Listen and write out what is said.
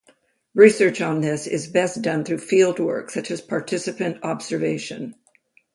Research on this is best done through fieldwork such as participant observation.